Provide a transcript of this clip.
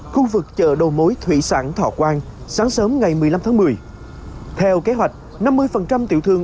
khu vực chợ đầu mối thủy sản thọ quang sáng sớm ngày một mươi năm tháng một mươi theo kế hoạch năm mươi tiểu thương